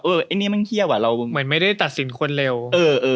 อันนี้มันเพียบอ่ะเราเหมือนไม่ได้ตัดสินคนเร็วเออเออ